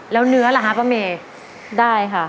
แล้วเนื้อล่ะครับป้าเมฆ